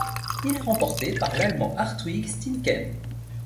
Il est remporté par l'Allemand Hartwig Steenken.